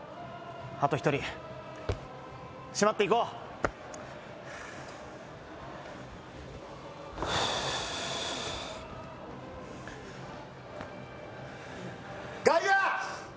あと１人しまっていこう外野！